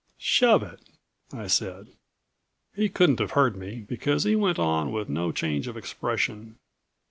"Shove it!" I said. He couldn't have heard me, because he went on with no change of expression.